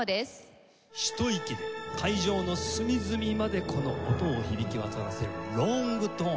ひと息で会場の隅々までこの音を響き渡らせるロングトーン。